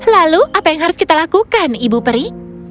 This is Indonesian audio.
lalu apa yang harus kita lakukan ibu peri